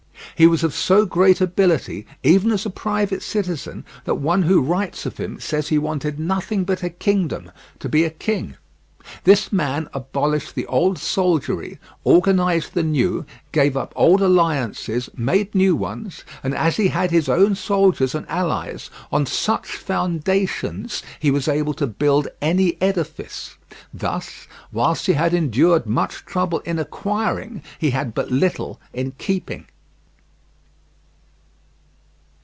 He was of so great ability, even as a private citizen, that one who writes of him says he wanted nothing but a kingdom to be a king. This man abolished the old soldiery, organized the new, gave up old alliances, made new ones; and as he had his own soldiers and allies, on such foundations he was able to build any edifice: thus, whilst he had endured much trouble in acquiring, he had but little in keeping.